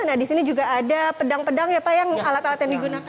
nah di sini juga ada pedang pedang ya pak yang alat alat yang digunakan